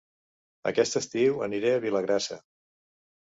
Aquest estiu aniré a Vilagrassa